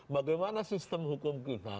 bagaimana sistem hukum kita